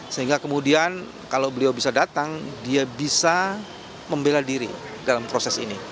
sehingga kemudian kalau beliau bisa datang dia bisa membela diri dalam proses ini